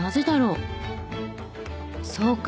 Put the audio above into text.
そうか！